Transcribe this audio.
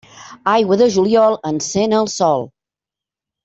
Aigua de juliol encén el sol.